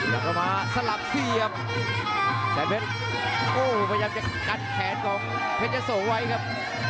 แล้วก็มาสลับเสียบสายเพชรกัดแขนของเพชรยะโสไว้ครับ